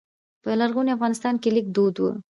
په لرغوني افغانستان کې لیک دود و